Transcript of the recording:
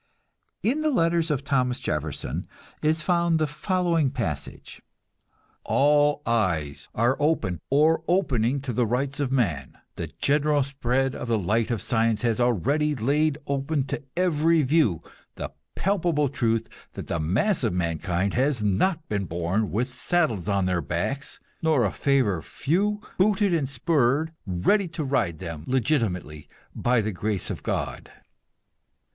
In the letters of Thomas Jefferson is found the following passage: "All eyes are open or opening to the rights of man. The general spread of the light of science has already laid open to every view the palpable truth that the mass of mankind has not been born with saddles on their backs, nor a favored few booted and spurred, ready to ride them legitimately, by the grace of God."